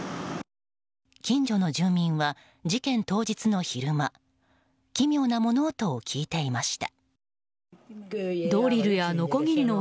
近所の住民は事件当日の昼間奇妙な物音を聞いていました。